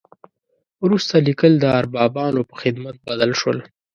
وروسته لیکل د اربابانو په خدمت بدل شول.